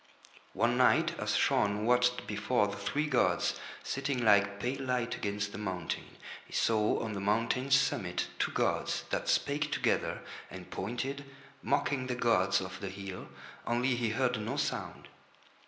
One night as Shaun watched before the three gods sitting like pale light against the mountain, he saw on the mountain's summit two gods that spake together and pointed, mocking the gods of the hill, only he heard no sound.